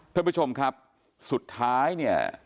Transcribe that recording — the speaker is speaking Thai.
ท่านผู้ชมครับสุดท้ายเนี่ย